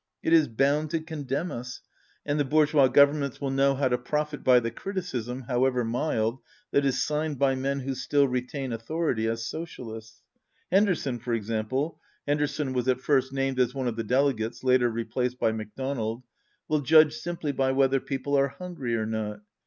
It is bound to condemn us, and the Bourgeois Gov ernments will know how to profit by the criticism, however mild, that is signed by men who still re tain authority as socialists. Henderson, for ex ample (Henderson was at first named as one of the delegates, later replaced by MacDonald), will judge simply by whether people are hungry or not.